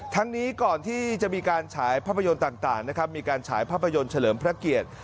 ทั้งนี้ก่อนที่จะมีการฉายภาพยนตร์ต่างนะครับมีการฉายภาพยนตร์เฉลิมพระเกียรติ